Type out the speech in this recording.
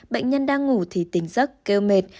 bệnh nhân đang ngủ thì tỉnh giấc kêu mệt